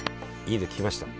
いいこと聞きました。